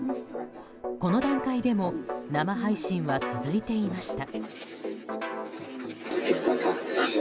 この段階でも生配信は続いていました。